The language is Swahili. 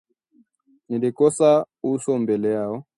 Nilikosa uso mbele yao